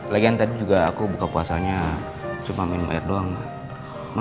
lagian tadi juga aku buka puasanya cuma minum air doang